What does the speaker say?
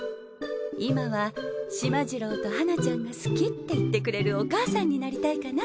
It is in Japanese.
今はしまじろうとはなちゃんが好きって言ってくれるお母さんになりたいかな。